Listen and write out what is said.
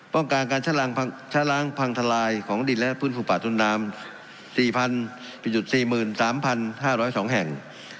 ต้องการการชะล้างพังทลายของดินและฟื้นฟูป่าต้นน้ำ๔๔๓๕๐๒แห่ง